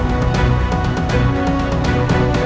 baik ayah ayah